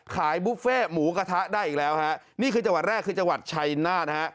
บุฟเฟ่หมูกระทะได้อีกแล้วฮะนี่คือจังหวัดแรกคือจังหวัดชัยนาธนะฮะ